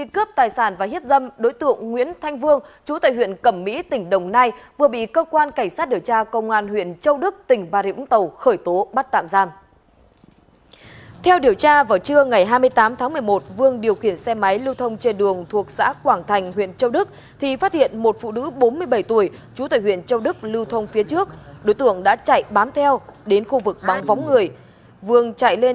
các bạn hãy đăng ký kênh để ủng hộ kênh của chúng mình nhé